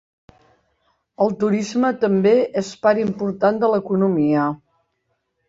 El turisme també és part important de l'economia.